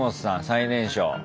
最年少。